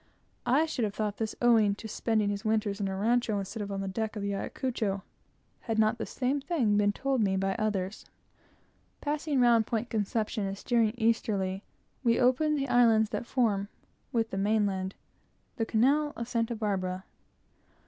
I should have thought this owing to his spending his winters on a rancho instead of the deck of the Ayacucho, had not the same thing been told me by others. Passing round Point Conception, and steering easterly, we opened the islands that form, with the main land, the canal of Santa Barbara.